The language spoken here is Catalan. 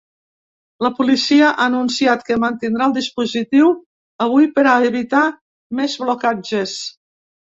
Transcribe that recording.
La policia ha anunciat que mantindrà el dispositiu avui per a evitar més blocatges.